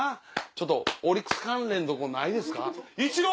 ちょっとオリックス関連ないですか？